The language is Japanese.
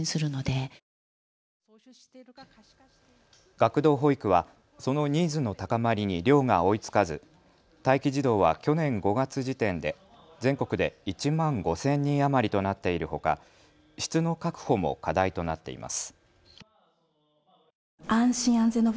学童保育はそのニーズの高まりに量が追いつかず待機児童は去年５月時点で全国で１万５０００人余りとなっているほか質の確保も課題となっています。